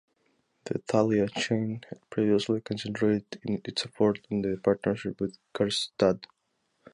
The Thalia chain had previously concentrated its effort on the partnership with Karstadt.